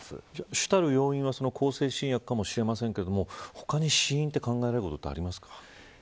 主たる要因は向精神薬かもしれませんが他に死因で考えられるものありますか。